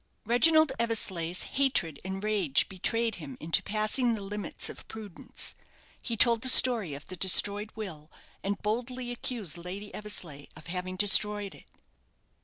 Reginald Eversleigh's hatred and rage betrayed him into passing the limits of prudence. He told the story of the destroyed will, and boldly accused Lady Eversleigh of having destroyed it.